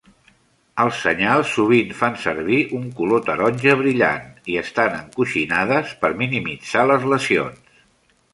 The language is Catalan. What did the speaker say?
Els senyals sovint fan servir un color taronja brillant i estan encoixinades per minimitzar les lesions.